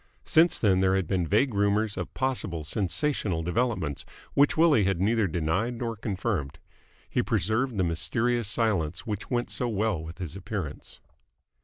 Since then there had been vague rumours of possible sensational developments, which Willie had neither denied nor confirmed. He preserved the mysterious silence which went so well with his appearance.